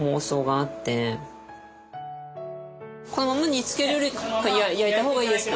このまま煮つけよりかは焼いた方がいいですか？